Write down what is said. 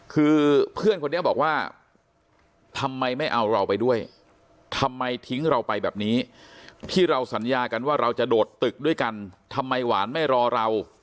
คือเพื่อนคนนี้บอกว่าทำไมไม่เอาเราไปด้วยทำไมทิ้งเราไปแบบนี้ที่เราสัญญากันว่าเราจะโดดตึกด้วยกันทำไมหวานไม่รอเรา